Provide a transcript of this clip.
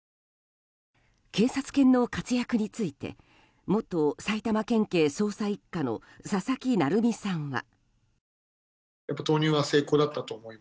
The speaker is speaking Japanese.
警察犬の活躍について元埼玉県警捜査１課の佐々木成三さんは。